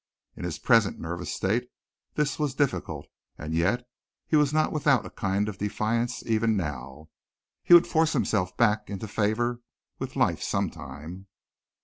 In his present nervous state this was difficult and yet he was not without a kind of defiance even now. He would force himself back into favor with life sometime.